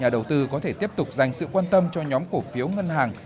nhà đầu tư có thể tiếp tục dành sự quan tâm cho nhóm cổ phiếu ngân hàng